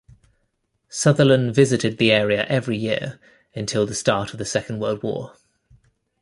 Sutherland visited the area every year, until the start of the Second World War.